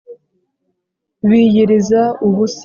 biyiriza ubusa .